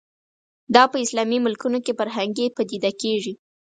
دا په اسلامي ملکونو کې فرهنګي پدیده کېږي